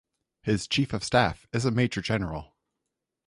His chief of staff is a major general.